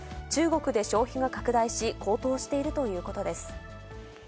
中国で消費が拡大し、高騰しているということです。